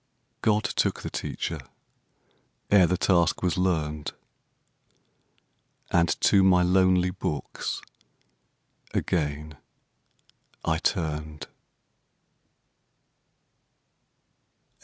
God took the teacher, ere the task was learned, And to my lonely books again I turned.